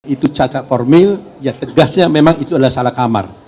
itu cacat formil ya tegasnya memang itu adalah salah kamar